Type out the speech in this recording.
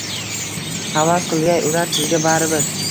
Havas qilgay ular sizga baribir